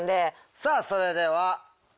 さあそれでは。